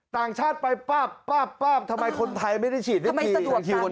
ต่างชาติไปป๊าบป๊าบป๊าบทำไมคนไทยไม่ได้ฉีดเหมือนกัน